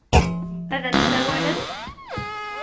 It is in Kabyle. Ad n-tsawalem?